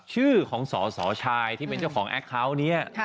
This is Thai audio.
ชื่อของสสชายที่เป็นเจ้าของแอคเคาน์นี้